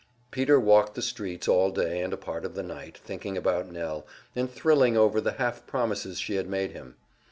Peter walked the streets all day and a part of the night, thinking about Nell, and thrilling over the half promises she had made him.